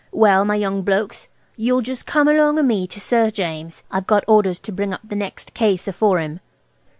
Well, my young blokes, you'll just come along o' me to Sir James. I've got orders to bring up the next case afore him."